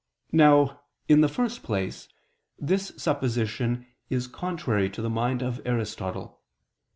Now, in the first place, this supposition is contrary to the mind of Aristotle.